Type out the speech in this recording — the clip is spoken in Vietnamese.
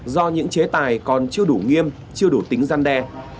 do những chế tài còn chưa đủ nghiêm chưa đủ tính gian đe